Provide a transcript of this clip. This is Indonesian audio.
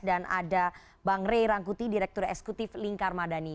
dan ada bang ray rangkuti direktur eksekutif lingkar madani